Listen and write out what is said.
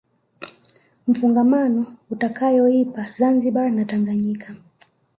mfungamano utakayoipa Zanzibar na Tanganyika